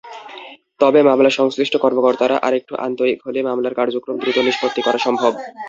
তবে মামলা-সংশ্লিষ্ট কর্মকর্তারা আরেকটু আন্তরিক হলে মামলার কার্যক্রম দ্রুত নিষ্পত্তি করা সম্ভব।